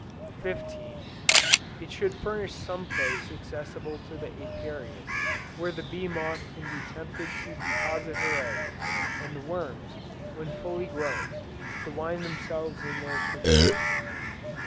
15. It should furnish some place accessible to the Apiarian, where the bee moth can be tempted to deposit her eggs, and the worms, when full grown, to wind themselves in their cocoons.